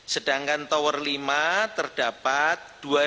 sedangkan tower lima terdapat